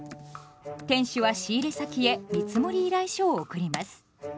店主は仕入れ先へ見積依頼書を送ります。